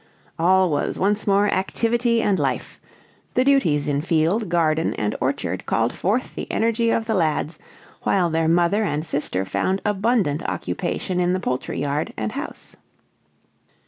All was once more activity and life; the duties in field, garden, and orchard called forth the energy of the lads, while their mother and sister found abundant occupation in the poultry yard and house.